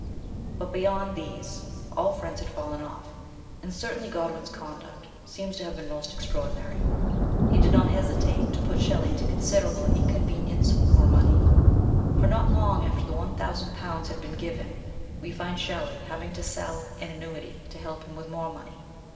But beyond these all friends had fallen off, and certainly Godwin's conduct seems to have been most extraordinary. He did not hesitate to put Shelley to considerable inconvenience for money, for not long after the one thousand pounds had been given, we find Shelley having to sell an annuity to help him with more money.